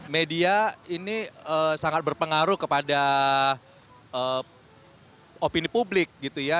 media ini sangat berpengaruh kepada opini publik gitu ya